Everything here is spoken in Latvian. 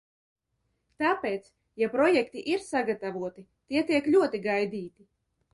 Tāpēc, ja projekti ir sagatavoti, tie tiek ļoti gaidīti.